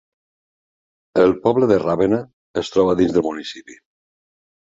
El poble de Ravenna es troba dins del municipi.